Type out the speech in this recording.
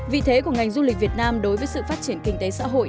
vì thế ngành du lịch việt nam đối với sự phát triển kinh tế xã hội